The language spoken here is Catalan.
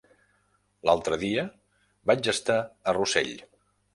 L'altre dia vaig estar a Rossell.